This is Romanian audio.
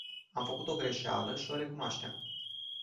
Am făcut o greșeală și o recunoaștem.